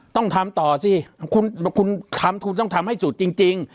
ต้องทำต่อสิคุณทำคุณต้องทำให้สุดจริง